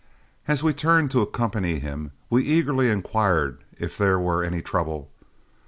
As we turned to accompany him, we eagerly inquired if there were any trouble.